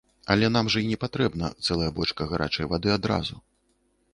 Але нам жа і не патрэбна цэлая бочка гарачай вады адразу.